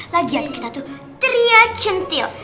lagi ya kita tuh tria centil